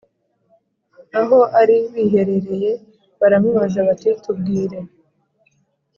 Aho ari biherereye baramubaza bati tubwire